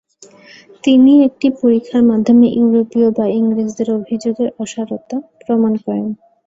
তিনি একটি পরীক্ষার মাধ্যমে ইউরোপীয় বা ইংরেজদের অভিযোগের অসারতা প্রমাণ করেন।